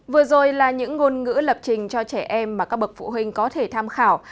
vừa rồi là những ngôn ngữ lập trình cho trẻ em mà các bậc phụ huynh có thể tham khảo